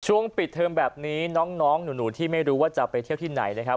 ปิดเทอมแบบนี้น้องหนูที่ไม่รู้ว่าจะไปเที่ยวที่ไหนนะครับ